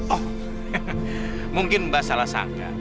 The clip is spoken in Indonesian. oh mungkin mbak salah sangka